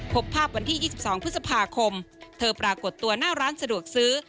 พบภาพวันที่๒๒พฤษภาคมเธอปรากฏตัวหน้าร้านสะดวกซื้อ